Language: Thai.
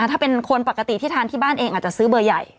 ถ้าเป็นคนปกติที่ทานที่บ้านเองอาจจะซื้อเบอร์ใหญ่